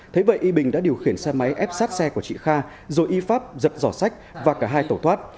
thế vậy y bình đã điều khiển xe máy ép sát xe của chị kha rồi y pháp giật giỏ sách và cả hai tẩu thoát